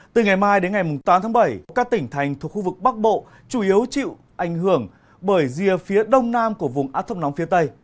từ ngày mai đến ngày tám tháng bảy các tỉnh thành thuộc khu vực bắc bộ chủ yếu chịu ảnh hưởng bởi rìa phía đông nam của vùng áp thấp nóng phía tây